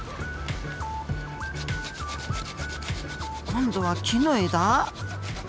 今度は木の枝！？